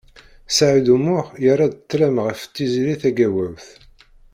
Saɛid U Muḥ yerra-d ṭlem ɣef Tiziri Tagawawt.